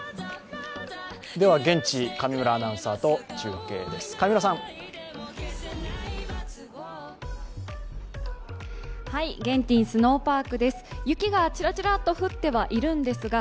では現地、上村アナウンサーと中継です。